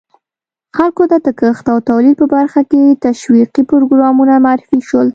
خلکو ته د کښت او تولید په برخه کې تشویقي پروګرامونه معرفي شول.